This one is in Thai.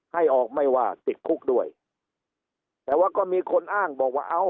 ให้ออกไม่ว่าติดคุกด้วยแต่ว่าก็มีคนอ้างบอกว่าเอ้า